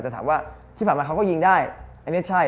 แต่ถามว่าที่ผ่านมาเขาก็ยิงได้อันนี้ใช่